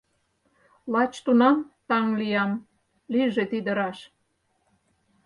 Лач тунам таҥ лиям — лийже тиде раш.